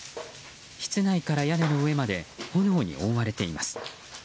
室内から屋根の上まで炎に覆われています。